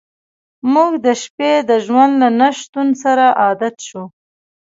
موږ د شپې د ژوند له نشتون سره عادت شو